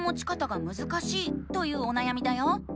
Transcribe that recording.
というおなやみだよ。